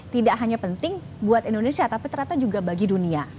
tidak hanya penting buat indonesia tapi ternyata juga bagi dunia